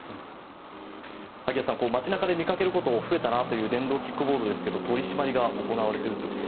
萩谷さん、街中で見かけることが増えたなという電動キックボードですが取り締まりが行われていると。